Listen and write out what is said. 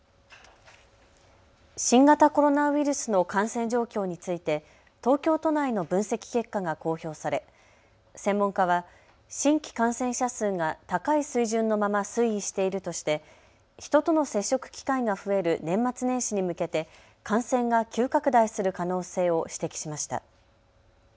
新型コロナウイルスの感染状況について東京都内の分析結果が公表され専門家は新規感染者数が高い水準のまま推移しているとして人との接触機会が増える年末年始に向けて感染が急拡大する可能性を指摘しました。